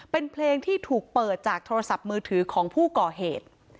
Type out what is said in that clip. เป็นเพลงที่ถูกเปิดจากโทรศัพท์มือถือของผู้ก่อเหตุ